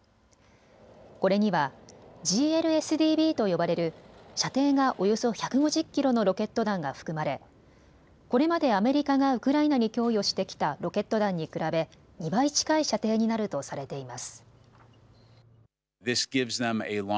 これにはＧＬＳＤＢと呼ばれる射程がおよそ１５０キロのロケット弾が含まれこれまでアメリカがウクライナに供与してきたロケット弾に比べ２倍近い射程になるとされています。